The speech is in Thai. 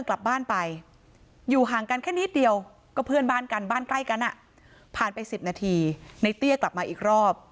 ในเตี้ยกลับมาอีกรอบ